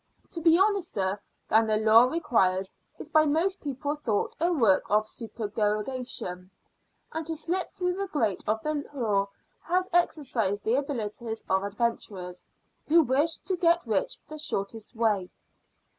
To be honester than the laws require is by most people thought a work of supererogation; and to slip through the grate of the law has ever exercised the abilities of adventurers, who wish to get rich the shortest way.